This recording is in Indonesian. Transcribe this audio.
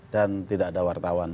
dan tidak ada wartawan